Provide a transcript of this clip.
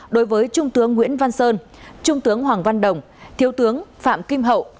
đối với trung tướng nguyễn văn sơn trung tướng hoàng văn đồng thiếu tướng phạm kim hậu